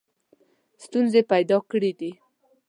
ستونزې پیدا کړي دي.